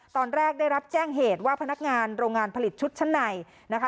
ตอนแรกได้รับแจ้งเหตุว่าพนักงานโรงงานผลิตชุดชั้นในนะคะ